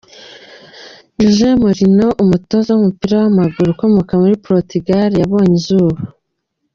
José Mourinho, umutoza w’umupira w’amaguru ukomoka muri Portugal yabonye izuba.